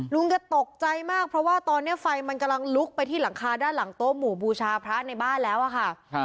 ลุงแกตกใจมากเพราะว่าตอนนี้ไฟขึ้นไปต้นหลังคาได้หลังโต๊ะหมู่บูชาพระในบ้านแล้วอ่ะค่ะ